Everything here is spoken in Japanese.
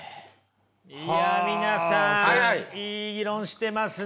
いや皆さんいい議論してますね。